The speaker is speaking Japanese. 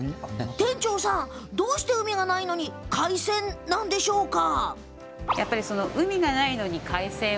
店長さん、どうして海がないのに海鮮なんですか？